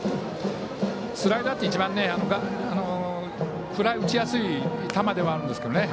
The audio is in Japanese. スライダーって一番フライを打ちやすい球ではあるんですけどね。